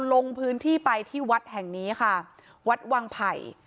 ลงพื้นที่ไปที่วัดแห่งนี้ค่ะวัดวังไผ่